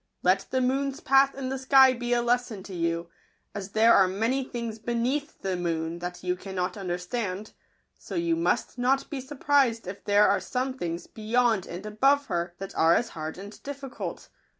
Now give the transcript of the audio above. Let the fi moon's path in the sky be a lesson to you: as | there are many things beneath the moon that you [ cannot understand, so you must not be surprised | if there are some things beyond and above her % that are as hard and difficult.